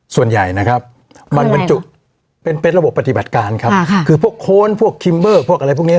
ส่วนใหญ่นะครับเป็นเป็นระบบปฏิบัติการครับค่ะคือพวกโค้นพวกพวกอะไรพวกเนี้ย